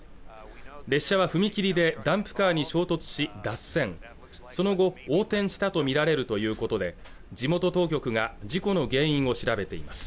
列車は踏切でダンプカーに衝突し脱線その後横転したと見られるということで地元当局が事故の原因を調べています